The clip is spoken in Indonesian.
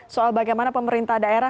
soal bagaimana pemerintah daerah